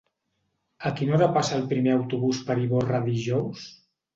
A quina hora passa el primer autobús per Ivorra dijous?